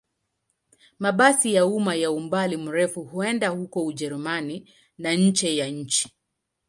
Mabasi ya umma ya umbali mrefu huenda huko Ujerumani na nje ya nchi.